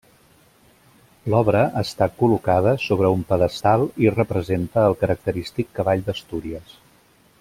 L'obra està col·locada sobre un pedestal i representa el característic cavall d'Astúries.